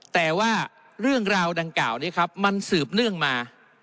แต่ว่าเรื่องราวดังกล่าวนี้ครับมันสืบเนื่องมา